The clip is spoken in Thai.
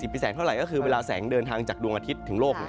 แสงเท่าไหร่ก็คือเวลาแสงเดินทางจากดวงอาทิตย์ถึงโลก